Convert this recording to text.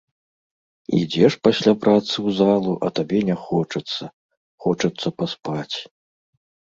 Ідзеш пасля працы ў залу, а табе не хочацца, хочацца паспаць.